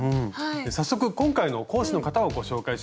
早速今回の講師の方をご紹介しましょう。